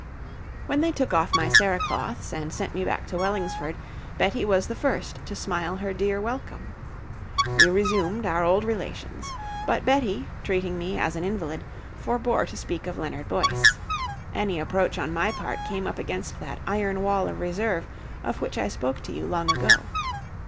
When they took off my cerecloths and sent me back to Wellingsford, Betty was the first to smile her dear welcome. We resumed our old relations. But Betty, treating me as an invalid, forbore to speak of Leonard Boyce. Any approach on my part came up against that iron wall of reserve of which I spoke to you long ago.